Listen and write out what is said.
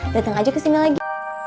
dateng aja kesini lagi